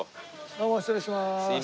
どうも失礼します。